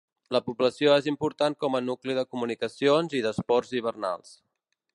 La població és important com a nucli de comunicacions i d'esports hivernals.